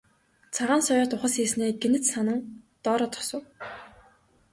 Цагаан соёот ухасхийснээ гэнэт санан доороо зогсов.